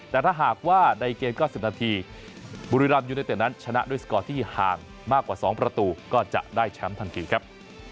แต่ถ้าหากว่าในเกม๙๐นาทีบุรีรามยูเนเต็ดนั้นชนะด้วยสกอร์ที่ห่างมากกว่า๒ประตูก็จะได้แชมป์ทันทีครับ